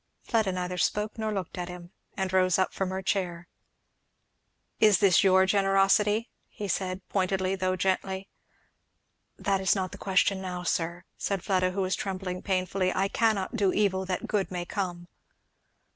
Fleda neither spoke nor looked at him and rose up from her chair. "Is this your generosity?" he said, pointedly though gently. "That is not the question now, sir," said Fleda, who was trembling painfully. "I cannot do evil that good may come."